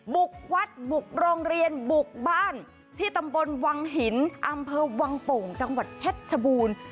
บุกวัดบุกโรงเรียนบุกบ้านที่ตำบลวังหินอำเภอวังโป่งจังหวัดเพชรชบูรณ์